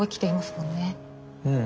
うん。